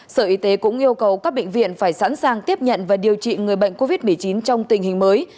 sở y tế cũng yêu cầu các bệnh viện phải sẵn sàng tiếp nhận và điều trị người bệnh covid một mươi chín trong tình hình mới